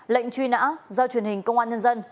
lệnh truy nã do truyền hình công an nhân dân